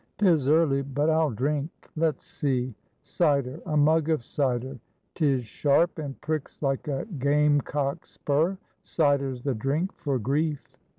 'Tis early, but I'll drink. Let's see; cider, a mug of cider; 'tis sharp, and pricks like a game cock's spur, cider's the drink for grief.